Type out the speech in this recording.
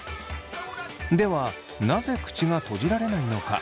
ではなぜ口が閉じられないのか。